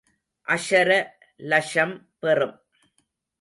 அக்ஷர லக்ஷம் பெறும்.